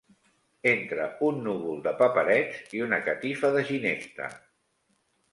Entre un núvol de paperets i una catifa de ginesta